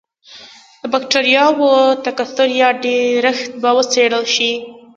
د بکټریاوو تکثر یا ډېرښت به وڅېړل شي.